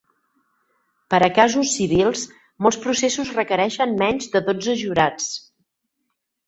Per a casos civils, molts processos requereixen menys de dotze jurats.